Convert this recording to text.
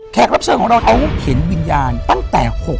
แขกรับเสิร์ฟของเราเขาเห็นวิญญาณตั้งแต่๖คืน